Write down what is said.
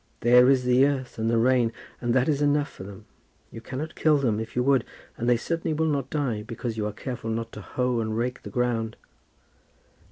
There is the earth and the rain, and that is enough for them. You cannot kill them if you would, and they certainly will not die because you are careful not to hoe and rake the ground."